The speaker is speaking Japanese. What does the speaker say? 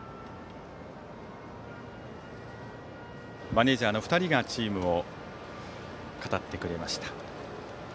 マネージャーの２人がチームを語ってくれました。